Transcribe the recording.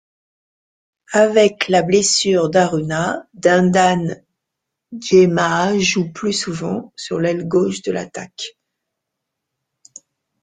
Avec la blessure d'Aruna Dindane, Jemâa joue plus souvent, sur l'aile gauche de l'attaque.